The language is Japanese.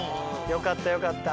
よかったよかった。